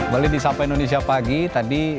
balik di sapa indonesia pagi tadi